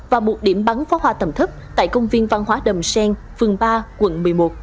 và một điểm bắn phó hoa tầm thấp tại công viên văn hóa đầm sen phường ba quận một mươi một